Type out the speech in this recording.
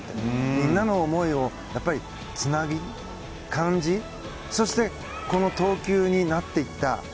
みんなの思いをつなぎ、感じそしてこの投球になっていった。